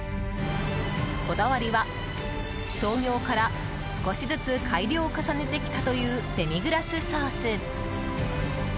こだわりは、創業から少しずつ改良を重ねてきたというデミグラスソース。